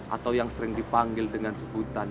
atau yang sering dipanggil dengan sebutan